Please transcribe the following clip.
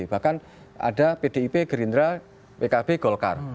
bahkan ada pdip gerindra pkb golkar